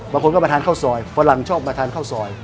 บางคนก็มาทานข้าวซอยฝรั่งชอบมาทานข้าวซอย